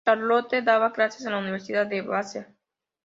Charlotte daba clases en la universidad de Vassar.